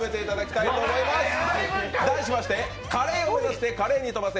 題しましてカレーを目指して華麗に飛ばせ！